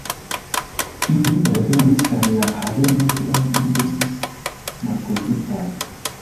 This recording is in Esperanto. Ili revenis al la haveno kiam ili estis malkovritaj.